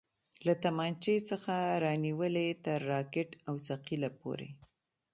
له تمانچې څخه رانيولې تر راکټ او ثقيله پورې.